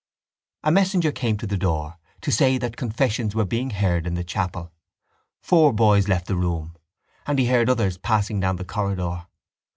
A messenger came to the door to say that confessions were being heard in the chapel. Four boys left the room; and he heard others passing down the corridor.